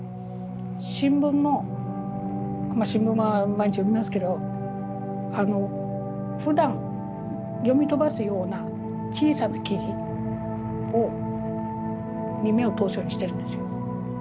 新聞も新聞は毎日読みますけどふだん読み飛ばすような小さな記事に目を通すようにしてるんですよ。